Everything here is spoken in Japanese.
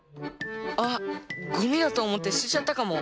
あっゴミだとおもってすてちゃったかも。